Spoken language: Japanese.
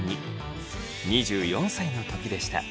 ２４歳の時でした。